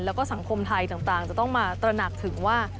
แล้วก็สังคมไทยต่างจะต้องมาตระหนักถึงว่า